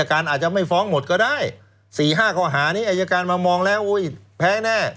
อาจจะไม่ฟ้องหมดก็ได้๔๕ข้อหานี้อายการมามองแล้วอุ้ยแพ้แน่